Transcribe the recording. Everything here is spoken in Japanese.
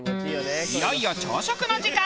いよいよ朝食の時間。